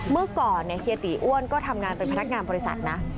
เมื่อก่อนเฮียตีอ้วนก็ทำงานเป็นพนักงานบริษัทนะ